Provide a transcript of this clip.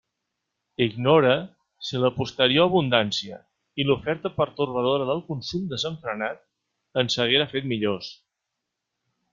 Ignore si la posterior abundància i l'oferta pertorbadora del consum desenfrenat ens haguera fet millors.